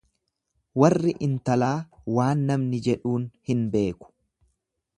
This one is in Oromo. Warri intalaa waan namni jedhuun hin beeku.